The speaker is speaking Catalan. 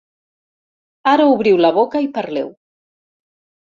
Ara obriu la boca i parleu.